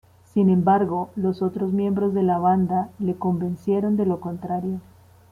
Sin embargo, los otros miembros de la banda le convencieron de lo contrario.